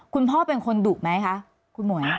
คุณพ่อเป็นคนดุไหมคะคุณหมวย